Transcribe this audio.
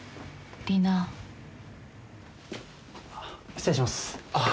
失礼しますああ